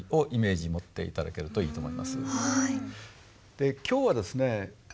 で今日はですね